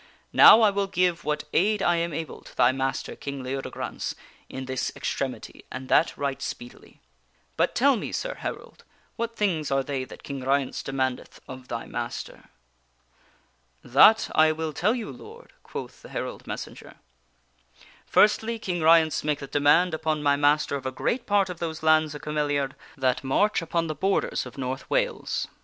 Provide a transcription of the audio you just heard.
Now I will give what aid I am able to thy master, King Leodegrance, in this extremity, and that right speedily. But tell me, sir herald, what things are they that King Ryence demandeth of thy master?" " That I will tell you, Lord/' quoth the herald messenger. '' Firstly, King Ryence maketh demand upon my master of a great part of those lands of Cameliard that march upon the borders of North Wales.